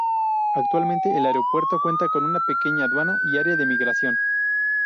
Actualmente el aeropuerto cuenta con una pequeña aduana y área de migración.